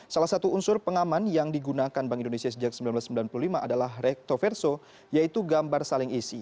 salah satu unsur pengaman yang digunakan bank indonesia sejak seribu sembilan ratus sembilan puluh lima adalah recto verso yaitu gambar saling isi